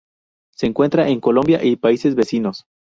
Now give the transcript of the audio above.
Se encuentra en Colombia y países vecinos.